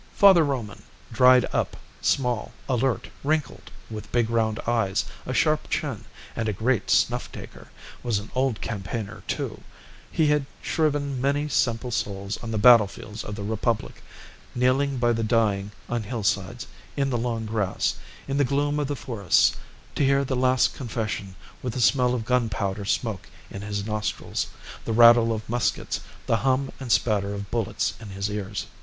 Father Roman, dried up, small, alert, wrinkled, with big round eyes, a sharp chin, and a great snuff taker, was an old campaigner, too; he had shriven many simple souls on the battlefields of the Republic, kneeling by the dying on hillsides, in the long grass, in the gloom of the forests, to hear the last confession with the smell of gunpowder smoke in his nostrils, the rattle of muskets, the hum and spatter of bullets in his ears.